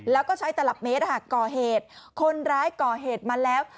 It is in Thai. แล้วก็ใช้ตลับเมตรก่อเหตุคนร้ายก่อเหตุมาแล้ว